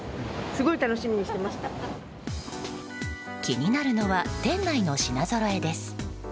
気になるのは店内の品ぞろえです。